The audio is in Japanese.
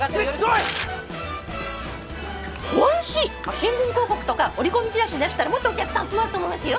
新聞広告とか折り込みチラシ出したらもっとお客さん集まると思いますよ。